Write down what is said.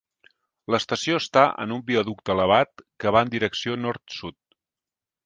L'estació està en un viaducte elevat que va en direcció nord-sud.